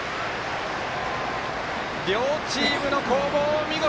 両チームの攻防、見事！